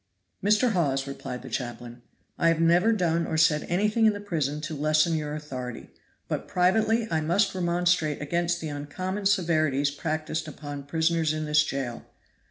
"Mr. Hawes," replied the chaplain, "I have never done or said anything in the prison to lessen your authority, but privately I must remonstrate against the uncommon severities practiced upon prisoners in this jail.